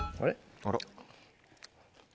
あら。